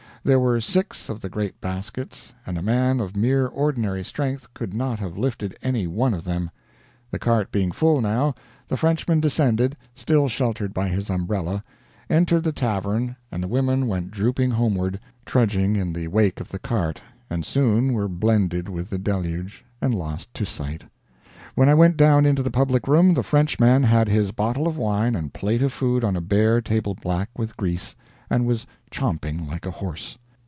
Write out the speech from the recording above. There were six of the great baskets, and a man of mere ordinary strength could not have lifted any one of them. The cart being full now, the Frenchman descended, still sheltered by his umbrella, entered the tavern, and the women went drooping homeward, trudging in the wake of the cart, and soon were blended with the deluge and lost to sight. "When I went down into the public room, the Frenchman had his bottle of wine and plate of food on a bare table black with grease, and was 'chomping' like a horse.